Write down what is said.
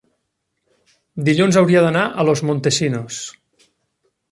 Dilluns hauria d'anar a Los Montesinos.